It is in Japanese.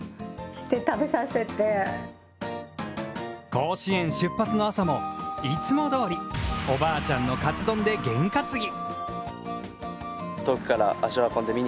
甲子園出発の朝も、いつもどおりおばあちゃんのカツ丼で験担ぎ。